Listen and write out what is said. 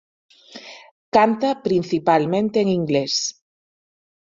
Canta principalmente en inglés.